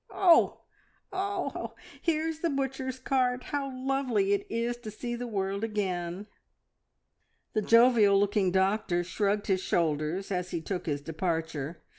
Oh, oh, oh! here's the butcher's cart! How lovely it is to see the world again!" The jovial looking doctor shrugged his shoulders as he took his departure.